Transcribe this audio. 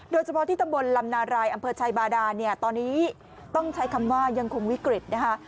โดยเฉพาะที่ตำบลลำนารายอำเภอชัยบาดานเนี่ยตอนนี้ต้องใช้คำว่ายังคงวิกฤตนะคะ